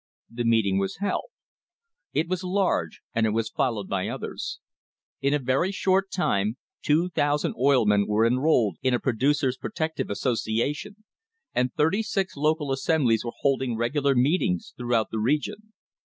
The meeting was held. It was large, and it was followed by others. In a very short time 2,000 oil men were enrolled in a Producers' Pro tective Association, and thirty six local assemblies were hold ing regular meetings throughout the region.